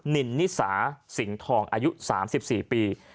นินนิสาสิงห์ทองอายุ๓๔ปี